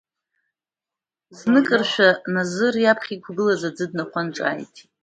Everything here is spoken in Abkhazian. Зныкыршәа назыр иаԥхьа иқәгылаз аӡы днахәан, ҿааиҭит…